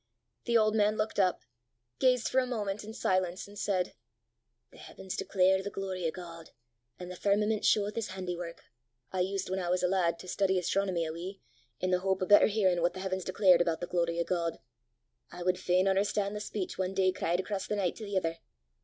The old man looked up, gazed for a moment in silence, and said: "'The h'avens declare the glory o' God, an' the firmament showeth his handy wark.' I used, whan I was a lad, to study astronomy a wee, i' the houp o' better hearin' what the h'avens declared aboot the glory o' God: I wud fain un'erstan' the speech a' day cried across the nicht to the ither.